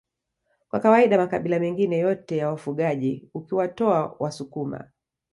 Kwa kawaida makabila mengine yote ya wafugaji ukiwatoa wasukuma